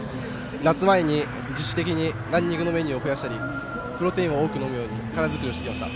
夏前に、自主的にランニングのメニューを増やしたりプロテインを多く飲んで体づくりしてきました。